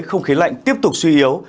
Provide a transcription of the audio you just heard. không khí lạnh tiếp tục suy yếu